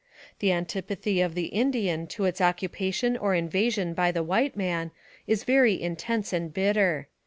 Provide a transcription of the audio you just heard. The antip athy of the Indian to its occupation or invasion by the wl ite man is very intense and bitter.